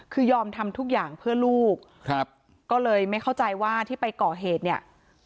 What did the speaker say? คือยอมทำทุกอย่างเพื่อลูกครับก็เลยไม่เข้าใจว่าที่ไปก่อเหตุเนี่ย